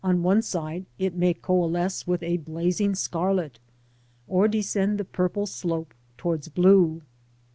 one side it may coalesce with a blazing scarlet, or descend the ^jojrple slope towards blue.